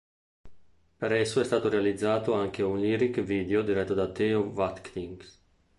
Per esso è stato realizzato anche un lyric video, diretto da Theo Watkins.